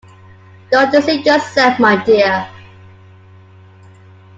Don't deceive yourself, my dear.